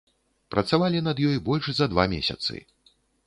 Працавалі над ёй больш за два месяцы.